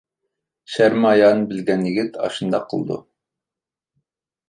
شەرمى ھايانى بىلگەن يىگىت ئاشۇنداق قىلىدۇ.